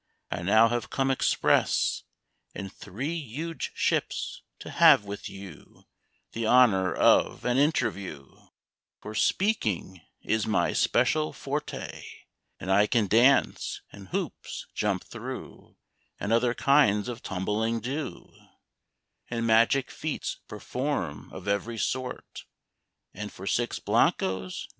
I now have come express, In three huge ships, to have with you The honour of an interview: For speaking is my special forte, And I can dance, and hoops jump through, And other kinds of tumbling do, And magic feats perform of every sort; And for six blancos?